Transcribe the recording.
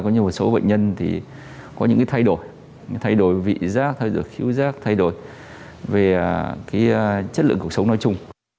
có nhiều bệnh nhân có những thay đổi thay đổi vị giác khíu giác thay đổi về chất lượng cuộc sống nói chung